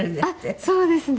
あっそうですね。